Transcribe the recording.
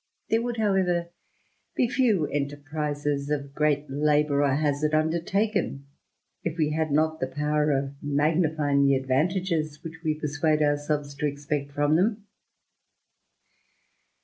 / There would, however, be few enterprizes of great labour ^^^jDr 4iazard undertaken, if we had not the power of magni ^ ^fying the advantages which we persuade ourselves to expect from them.